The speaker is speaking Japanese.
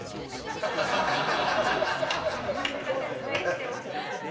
めちゃくちゃ説明してます。